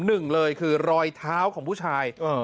หนึ่งเลยคือรอยเท้าของผู้ชาย